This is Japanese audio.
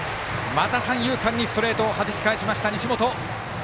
また三遊間にストレートをはじき返した西本。